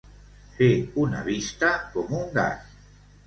Fer una vista com un gat.